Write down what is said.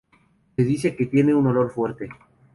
Se dice que tiene un olor fuerte.